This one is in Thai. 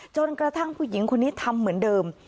จนกระทั่งผู้หญิงคนนี้ทำเหมือนเดิม